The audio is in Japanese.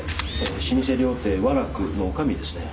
老舗料亭和楽の女将ですね。